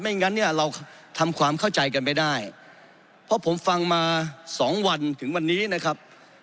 งั้นเนี่ยเราทำความเข้าใจกันไม่ได้เพราะผมฟังมาสองวันถึงวันนี้นะครับ